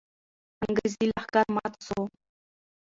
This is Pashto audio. انګریزي لښکر مات سو.